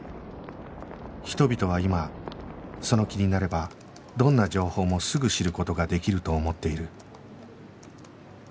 人々は今その気になればどんな情報もすぐ知る事ができると思っている